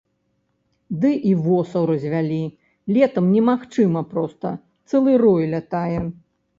Ды і восаў развялі, летам немагчыма проста, цэлы рой лятае.